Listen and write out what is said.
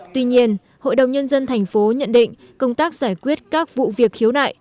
tuy nhiên hội đồng nhân dân tp nhận định công tác giải quyết các vụ việc khiếu nại